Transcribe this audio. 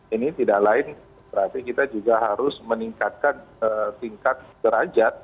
ini tidak lain berarti kita juga harus meningkatkan tingkat derajat